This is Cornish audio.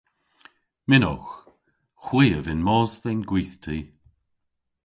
Mynnowgh. Hwi a vynn mos dhe'n gwithti.